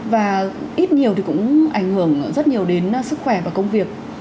và ít nhiều thì cũng ảnh hưởng rất nhiều đến sức khỏe và công việc